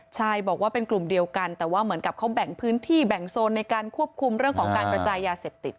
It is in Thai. ใช่บอกว่าเป็นกลุ่มเดียวกันแต่ว่าเหมือนกับเขาแบ่งพื้นที่แบ่งโซนในการควบคุมเรื่องของการกระจายยาเสพติด